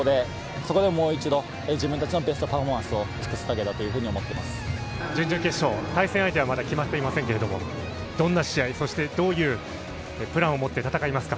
そこでもう一度自分たちのベストパフォーマンスを尽くすだけだと準々決勝、対戦相手はまだ決まってないですけれども、どんな試合、そしてどういうプランを持って戦いますか？